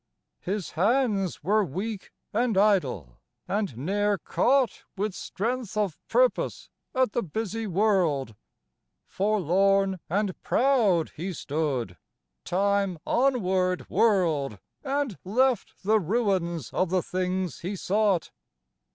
His hands were weak and idle and ne'er caught With strength of purpose at the busy world ; Forlorn and proud he stood Time onward whirled And left the ruins of the things he sought."